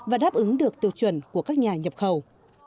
và đáp ứng được tiêu chuẩn của các nhà nhập khẩu